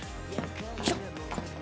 ちょっと。